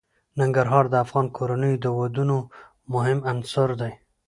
ننګرهار د افغان کورنیو د دودونو مهم عنصر دی.